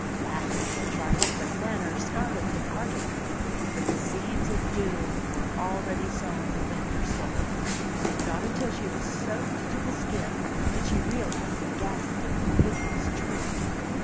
Laughing in a triumphant manner, Scarlett departed. But the seeds of doom were already sown within her soul. Not until she was soaked to the skin did she realize the ghastly and hideous truth.